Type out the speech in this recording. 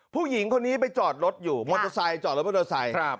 ผู้หญิงคนนี้ไปจอดรถอยู่จอดรถมอเตอร์ไซส์ครับ